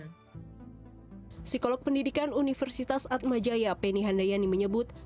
psikolog pendidikan universitas atmajaya penny handayani menyebut